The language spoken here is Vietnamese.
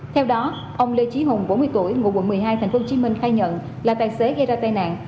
theo đó ông lê trí hùng bốn mươi tuổi ngụ quận một mươi hai tp hcm khai nhận là tài xế gây ra tai nạn